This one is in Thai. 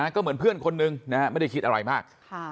ก็เหมือนเพื่อนคนนึงนะฮะไม่ได้คิดอะไรมาก